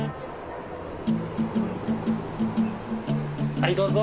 はいどうぞ。